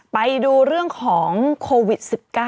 ไปดูเรื่องของโควิด๑๙